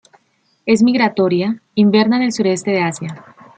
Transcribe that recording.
Es migratoria, inverna en el sureste de Asia.